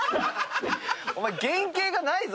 お前原形がないぞ。